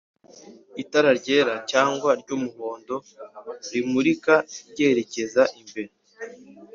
itara ryera cyangwa ry'umuhondo rimurika ryerekeza imbere